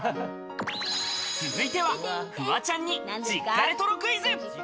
続いてはフワちゃんに実家レトロクイズ。